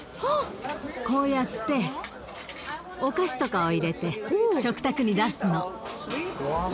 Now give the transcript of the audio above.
こうやってお菓子とかを入れて食卓に出すの。